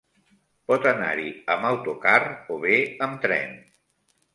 Pot anar-hi amb autocar o bé amb tren.